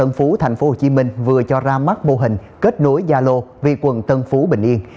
công an quận tân phú tp hcm vừa cho ra mắt mô hình kết nối gia lô vì quận tân phú bình yên